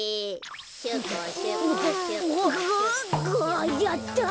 あっやった！